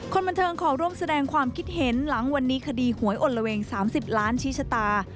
คนบันเทิงขอร่วมแสดงความคิดเห็นหลังวันนี้คดีหวยอลละเวง๓๐ล้านชี้ชะตา